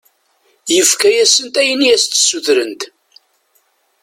Yefka-asent ayen i as-d-ssutrent.